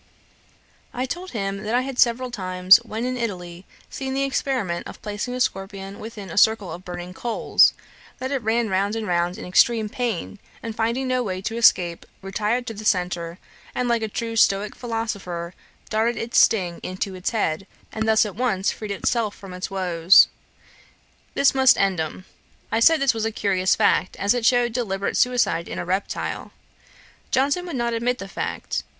I told him that I had several times, when in Italy, seen the experiment of placing a scorpion within a circle of burning coals; that it ran round and round in extreme pain; and finding no way to escape, retired to the centre, and like a true Stoick philosopher, darted its sting into its head, and thus at once freed itself from its woes. 'This must end 'em.' I said, this was a curious fact, as it shewed deliberate suicide in a reptile. Johnson would not admit the fact.